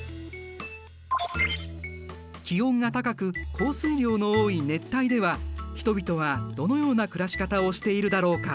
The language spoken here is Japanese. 気温が高く降水量の多い熱帯では人々はどのような暮らし方をしているだろうか。